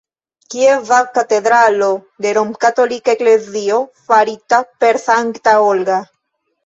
Kieva katedro de Romkatolika Eklezio, farita per Sankta Olga.